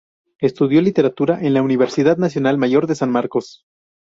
Estudió Literatura en la Universidad Nacional Mayor de San Marcos.